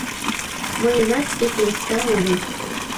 — Мыйынат ик наста уло.